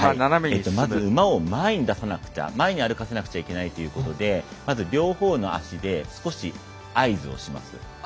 まず馬を前に出さなくては前に歩かせなければいけなくて両方の足で少し合図をします。